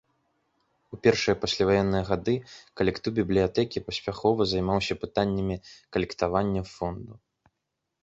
У першыя пасляваенныя гады калектыў бібліятэкі паспяхова займаўся пытаннямі камплектавання фонду.